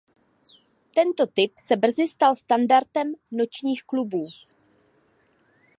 Tento typ se brzy stal standardem nočních klubů.